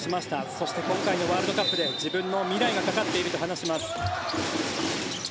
そして今回のワールドカップで自分の未来がかかっていると話します。